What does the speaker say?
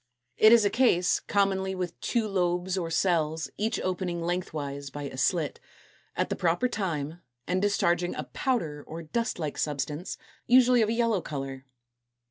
It is a case, commonly with two lobes or cells, each opening lengthwise by a slit, at the proper time, and discharging a powder or dust like substance, usually of a yellow color.